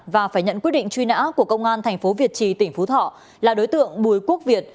và phải nhận quyết định truy nã của công an thành phố việt trì tỉnh phú thọ là đối tượng bùi quốc việt